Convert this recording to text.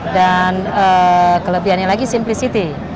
dan kelebihannya lagi simplicity